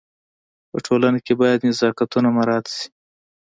په ټولنه کي باید نزاکتونه مراعت سي.